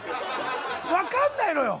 分からないのよ